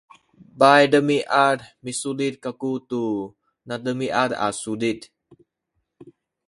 paydemiad misulit kaku tu nademiad a sulit